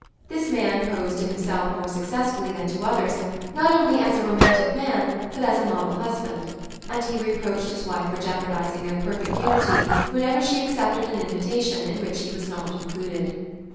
This man posed to himself more successfully than to others, not only as a romantic man, but as a model husband; and he reproached his wife for jeopardising their perfect unity whenever she accepted an invitation in which he was not included.